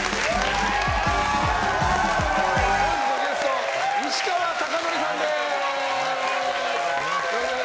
本日のゲスト西川貴教さんです！